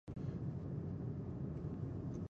دوی یوازې خپلو ګټو ته ګوري.